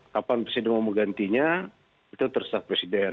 kapan presiden mau menggantinya itu terserah presiden